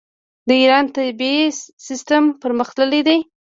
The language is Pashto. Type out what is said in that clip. د ایران طبي سیستم پرمختللی دی.